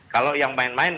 kalau yang main main